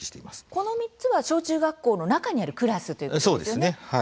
この３つは小中学校の中にあるクラスそうですね。